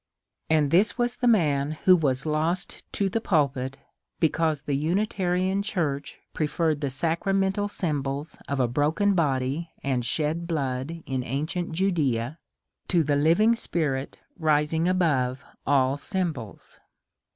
And this was the man who was lost to the pulpit because the Unitarian Church preferred the sac ramental symbols of a broken body and shed blood in ancient Judea to the living spirit rising above all symbols